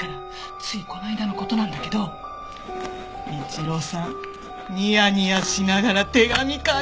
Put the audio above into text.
ついこの間の事なんだけど一郎さんニヤニヤしながら手紙書いてたのよ。